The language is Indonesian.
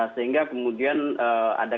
sehingga kemudian ada